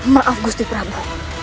maaf gusti prabu